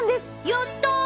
やった！